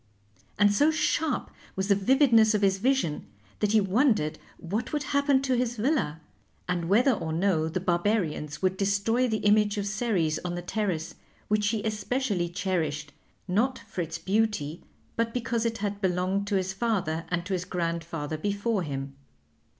And so sharp was the vividness of his vision that he wondered what would happen to his villa, and whether or no the Barbarians would destroy the image of Ceres on the terrace, which he especially cherished, not for its beauty but because it had belonged to his father and to his grandfather before him.